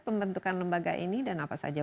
pembentukan lembaga ini dan apa saja